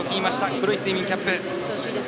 黒いスイミングキャップ。